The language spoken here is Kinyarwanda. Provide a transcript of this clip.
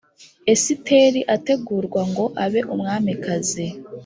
esiteri ategurwa ngo abe umwamikazi